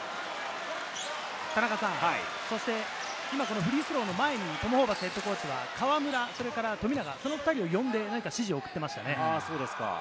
今、フリースローの前にトム・ホーバスＨＣは河村、富永を呼んで、何か指示を送っていましたね。